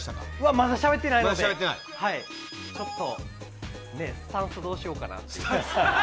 まだしゃべってないのでちょっとどうしようかなと。